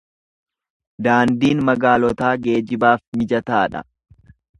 Daandiin magaalotaa geejibaaf mijataa dha.